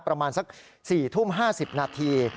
ประมาณสัก๔ทุ่ม๕๐นาที